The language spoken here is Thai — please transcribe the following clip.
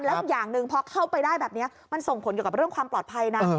แล้วอย่างหนึ่งพอเข้าไปได้แบบนี้มันส่งผลเกี่ยวกับเรื่องความปลอดภัยนะ